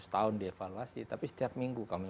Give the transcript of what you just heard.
setahun dievaluasi tapi setiap minggu kami